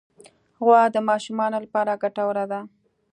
غوا د ماشومانو لپاره ګټوره ده.